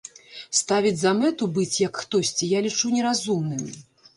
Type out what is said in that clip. Ставіць за мэту быць, як хтосьці, я лічу неразумным.